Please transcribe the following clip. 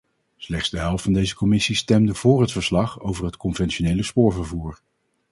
Slechts de helft van deze commissie stemde voor het verslag over het conventionele spoorvervoer.